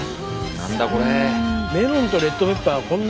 何だこれ。